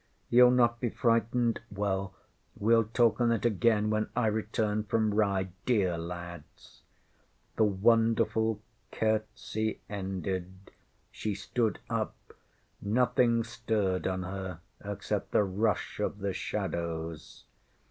YouŌĆÖll not be frightened? Well, weŌĆÖll talk on it again, when I return from Rye, dear lads. ŌĆÖ The wonderful curtsy ended. She stood up. Nothing stirred on her except the rush of the shadows.